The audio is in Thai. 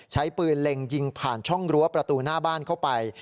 ใช้ปืนเล็งยิงผ่านช่องรั้วประตูหน้าบ้านเข้าไป